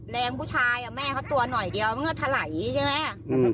แรงผู้ชายอ่ะแม่เขาตัวหน่อยเดียวงือเทาะไหร่ใช่ไหม